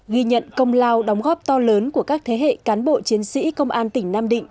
ghi nhận công lao đóng góp to lớn của các thế hệ cán bộ chiến sĩ công an tỉnh nam định